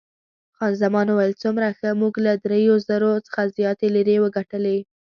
خان زمان وویل، څومره ښه، موږ له دریو زرو څخه زیاتې لیرې وګټلې.